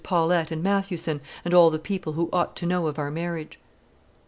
Paulette and Mathewson, and all the people who ought to know of our marriage."